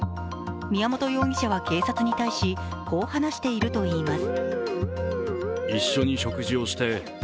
宮本容疑者は警察に対し、こう話しているといいます。